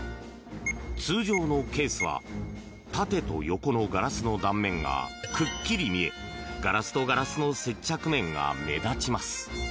通常のケースは縦と横のガラスの断面がくっきり見えガラスとガラスの接着面が目立ちます。